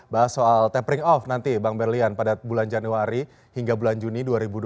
bahas soal tapering off nanti bang berlian pada bulan januari hingga bulan juni dua ribu dua puluh